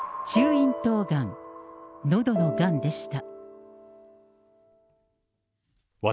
いん頭がん、のどのがんでした。